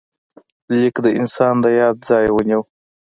لیک د انسان د یاد ځای ونیو.